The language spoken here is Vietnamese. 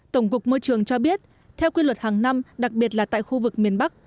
tổng cục môi trường cho biết theo quy luật hàng năm đặc biệt là tại khu vực miền bắc